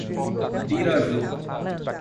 Piraju